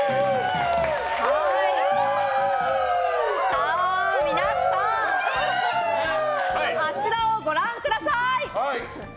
さあ、皆さんあちらをご覧ください！